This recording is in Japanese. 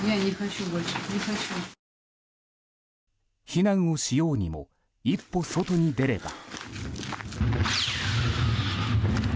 避難をしようにも一歩外に出れば。